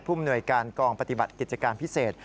มนวยการกองปฏิบัติกิจการพิเศษ